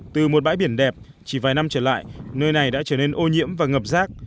từ một bãi biển đẹp chỉ vài năm trở lại nơi này đã trở nên ô nhiễm và ngập rác